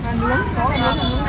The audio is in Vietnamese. gà nướng có gà nướng